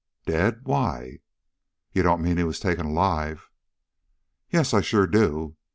"Dead? Why?" "You don't mean he was taken alive?" "Yes, I sure do!